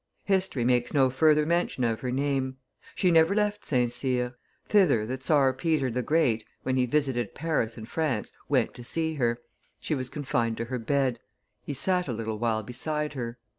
History makes no further mention of her name; she never left St. Cyr. Thither the czar Peter the Great, when he visited Paris and France, went to see her; she was confined to her bed; he sat a little while beside her.